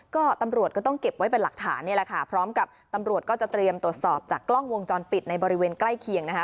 ก็ตำรวจก็ต้องเก็บไว้เป็นหลักฐานนี่แหละค่ะพร้อมกับตำรวจก็จะเตรียมตรวจสอบจากกล้องวงจรปิดในบริเวณใกล้เคียงนะคะ